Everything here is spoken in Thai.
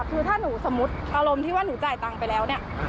คือถ้าหนูสมมุติอารมณ์ที่ว่าหนูจ่ายตังค์ไปแล้วเนี่ย